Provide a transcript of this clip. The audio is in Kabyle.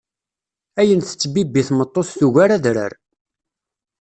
Ayen tettbibbi tmeṭṭut tugar adrar.